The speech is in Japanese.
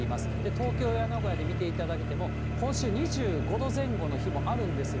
東京や名古屋で見ていただいても、今週２５度前後の日もあるんですが。